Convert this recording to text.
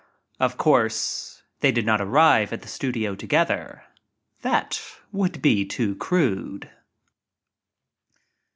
Of course, they did not arrive at the studio together. That would be too crude.